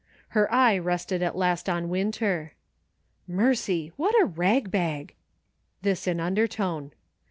Her eye rested at last on Winter, " Mercy ! what a rag bag !" This in undertone.